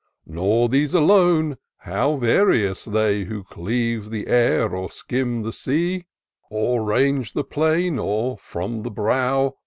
Nor these alone j — ^how various they. Who cleave the air, or skim the sea. Or range the plain, or, from the brow.